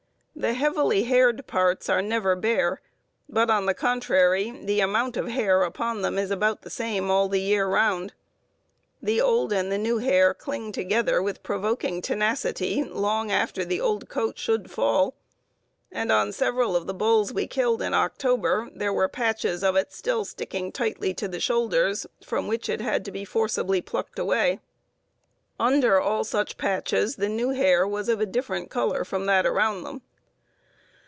The heavily haired parts are never bare, but, on the contrary, the amount of hair upon them is about the same all the year round. The old and the new hair cling together with provoking tenacity long after the old coat should fall, and on several of the bulls we killed in October there were patches of it still sticking tightly to the shoulders, from which it had to be forcibly plucked away. Under all such patches the new hair was of a different color from that around them.